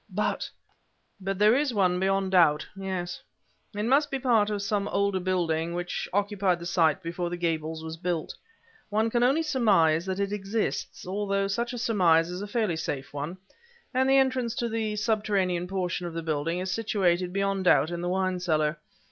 "But..." "But there is one beyond doubt yes! It must be part of some older building which occupied the site before the Gables was built. One can only surmise that it exists, although such a surmise is a fairly safe one, and the entrance to the subterranean portion of the building is situated beyond doubt in the wine cellar.